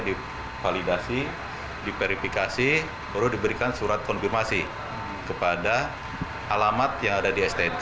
divalidasi diverifikasi baru diberikan surat konfirmasi kepada alamat yang ada di stnk